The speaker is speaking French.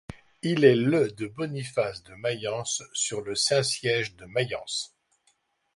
Il est le de Boniface de Mayence sur le Saint-Siège de Mayence.